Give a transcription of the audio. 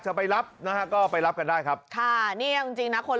จะไปรับนะฮะก็ไปรับกันได้ครับค่ะนี่เอาจริงจริงนะคน